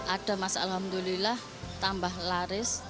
ada mas alhamdulillah tambah laris